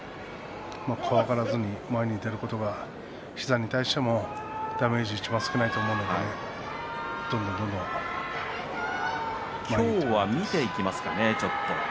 怖がらずに前に出ることが膝に対してもダメージがいちばん少ないと思うので今日は見ていきますかね。